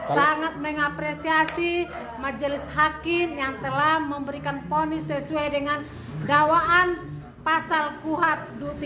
sangat mengapresiasi majelis hakim yang telah memberikan poni sesuai dengan dakwaan pasal kuhap tiga ratus empat puluh